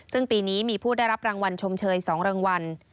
ซึ่งปีนี้มีผู้ได้รับรางวัลชมเชย๒รางวัล